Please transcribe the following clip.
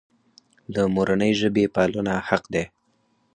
د مورنۍ ژبې پالنه حق دی.